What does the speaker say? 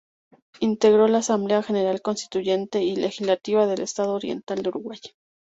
Integró la Asamblea General Constituyente y Legislativa del Estado Oriental del Uruguay.